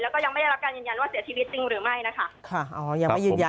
แล้วก็ยังไม่ได้รับการยืนยันว่าเสียชีวิตจริงหรือไม่นะคะค่ะอ๋อยังไม่ยืนยัน